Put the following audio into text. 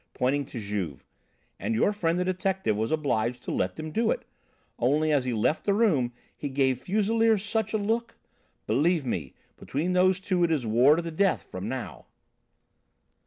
pointing to Juve. And your friend the detective was obliged to let them do it. Only as he left the room he gave Fuselier such a look! Believe me, between those two it is war to the death from now."